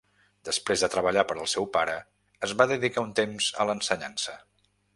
Després de treballar per al seu pare, es va dedicar un temps a l'ensenyança.